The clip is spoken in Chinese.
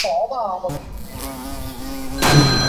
金洞县是越南兴安省下辖的一个县。